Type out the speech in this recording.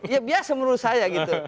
ya biasa menurut saya gitu